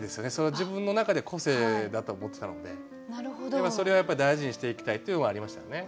自分の中で個性だと思ってたのでそれはやっぱ大事にしていきたいというのもありましたよね。